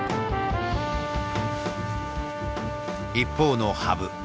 一方の羽生。